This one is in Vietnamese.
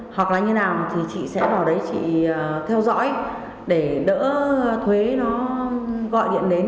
hoặc là như nào thì chị sẽ vào đấy chị theo dõi để đỡ thuế nó gọi điện đến